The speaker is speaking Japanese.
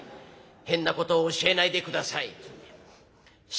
「変なことを教えないで下さい」っつって。